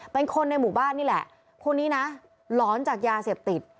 เป็นคนในหมู่บ้านนี่แหละคนนี้นะหลอนจากยาเสพติด